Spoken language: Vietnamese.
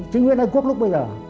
chính nguyễn ân quốc lúc bây giờ